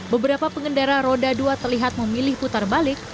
beberapa pengendara roda dua terlihat memilih putar balik